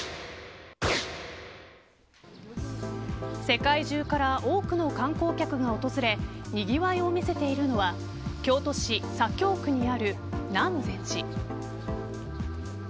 世界中から多くの観光客が訪れにぎわいを見せているのは京都市左京区にある南禅寺。